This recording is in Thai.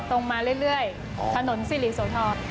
ตรงมาเรื่อยถนนซิริโซทอล